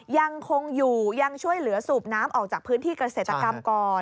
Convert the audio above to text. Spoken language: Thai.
ยังคงอยู่ยังช่วยเหลือสูบน้ำออกจากพื้นที่เกษตรกรรมก่อน